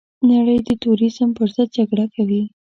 نړۍ د تروريزم پرضد جګړه کوي.